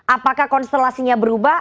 apakah konstelasinya berubah